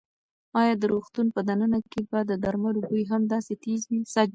ایا د روغتون په دننه کې به د درملو بوی هم داسې تېز وي؟